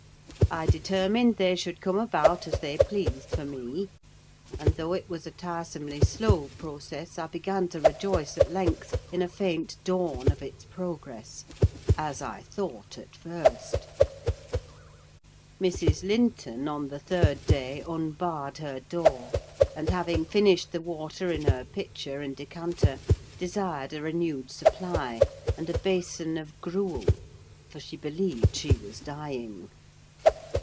I determined they should come about as they pleased for me; and though it was a tiresomely slow process, I began to rejoice at length in a faint dawn of its progress: as I thought at first. Mrs. Linton, on the third day, unbarred her door, and having finished the water in her pitcher and decanter, desired a renewed supply, and a basin of gruel, for she believed she was dying.